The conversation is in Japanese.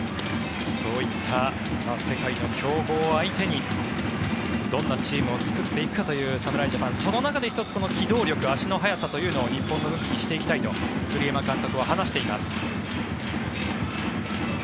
そういった世界の強豪を相手にどんなチームを作っていくかという侍ジャパンその中で１つ、機動力足の速さというのも日本の武器にしていきたいと栗山監督は話しています。